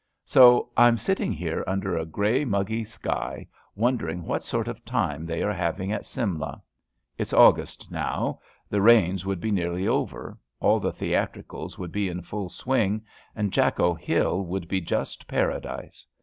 So I'm sitting here under a grey, muggy sky wondering what sort of time they are having at Simla. It's August now. The rains would be nearly over, all the theatricals would be in full swing, and Jakko Hill would be just Paradise.